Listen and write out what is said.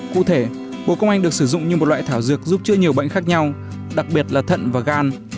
cụ thể bộ công anh được sử dụng như một loại thảo dược giúp chữa nhiều bệnh khác nhau đặc biệt là thận và gan